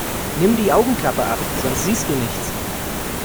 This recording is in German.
Nimm die Augenklappe ab, sonst siehst du nichts!